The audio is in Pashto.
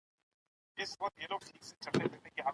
که ښوونکی څارنه کولای، خطر نه رامنځته کېده.